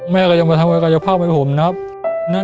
แม่ก็จะมาทำกายภาพไว้ผมนะครับ